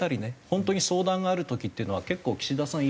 本当に相談がある時っていうのは結構岸田さん